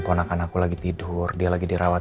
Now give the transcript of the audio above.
ponakan aku lagi tidur dia lagi dirawat